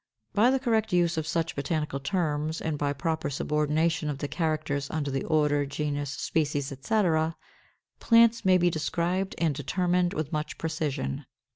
By the correct use of such botanical terms, and by proper subordination of the characters under the order, genus, species, etc., plants may be described and determined with much precision.